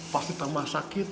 pasti tambah sakit